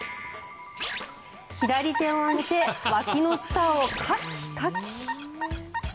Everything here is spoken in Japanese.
左手を上げてわきの下をカキカキ。